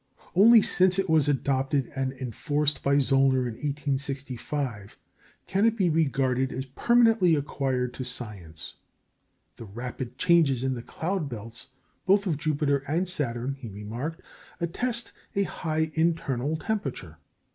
Only since it was adopted and enforced by Zöllner in 1865, can it be regarded as permanently acquired to science. The rapid changes in the cloud belts both of Jupiter and Saturn, he remarked, attest a high internal temperature.